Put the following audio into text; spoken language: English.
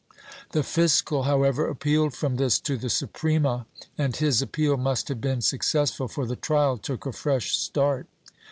The fiscal, however, appealed from this to the Suprema and his appeal must have been successful, for the trial took a fresh start.